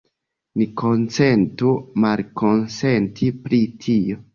Ni konsentu malkonsenti pri tio.